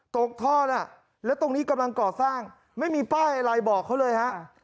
ตกท่อน่ะแล้วตรงนี้กำลังก่อสร้างไม่มีป้ายอะไรบอกเขาเลยฮะ